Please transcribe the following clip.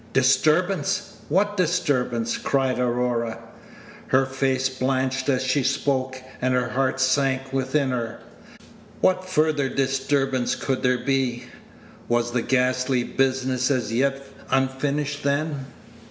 "Disturbance! What disturbance?" cried Aurora. Her face blanched as she spoke, and her heart sank within her. What farther disturbance could there be? Was the ghastly business as yet unfinished then?